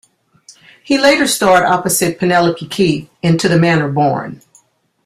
He later starred opposite Penelope Keith in "To the Manor Born".